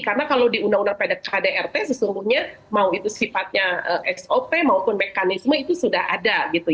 karena kalau di undang undang pada kdrt sesungguhnya mau itu sifatnya sop maupun mekanisme itu sudah ada